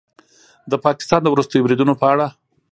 د پاکستان د وروستیو بریدونو په اړه